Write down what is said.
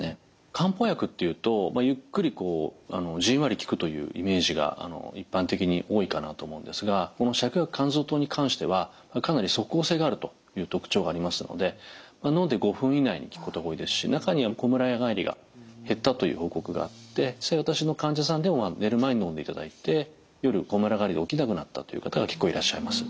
漢方薬っていうとゆっくりじんわり効くというイメージが一般的に多いかなと思うんですがこの芍薬甘草湯に関してはかなり即効性があるという特徴がありますのでのんで５分以内に効くことが多いですし中にはこむら返りが減ったという報告があってそれは私の患者さんでも寝る前のんでいただいて夜こむら返りが起きなくなったという方が結構いらっしゃいます。